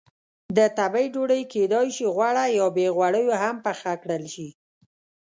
د تبۍ ډوډۍ کېدای شي غوړه یا بې غوړیو هم پخه کړل شي.